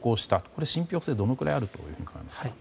これは信ぴょう性はどのくらいあると思いますか？